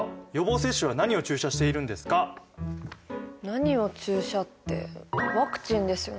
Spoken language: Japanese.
何を注射ってワクチンですよね？